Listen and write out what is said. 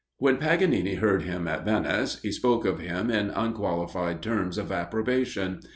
When Paganini heard him at Venice, he spoke of him in unqualified terms of approbation.